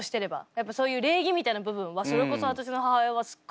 やっぱそういう礼儀みたいな部分はそれこそ私の母親はすっごい